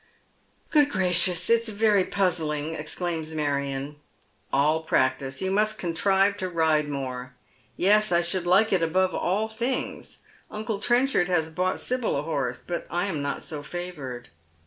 " Good gracious ! It's very puzzling," exclaims Marion. " All practice. You must contrive to ride more." '* Yes, I should like it above all things. Uncle Trenchard has bought Sibyl a horse. But I am not so favoured."